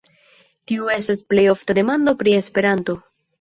Tiu estas plej ofta demando pri Esperanto.